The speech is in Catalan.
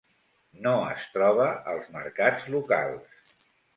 No es troba als mercats locals.